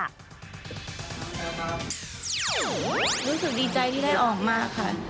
รู้สึกดีใจที่ได้ออกมาค่ะ